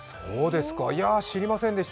いやぁ、知りませんでした。